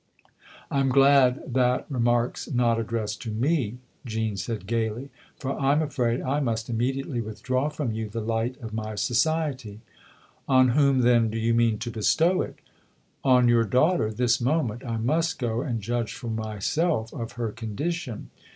" I'm glad that remark's not addressed to we" Jean said gaily; "for I'm afraid I must im mediately withdraw from you the light of my society." " On whom then do you mean to bestow it ?"" On your daughter, this moment. I must go and judge for myself of her condition."